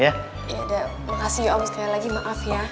ya makasih om sekali lagi maaf ya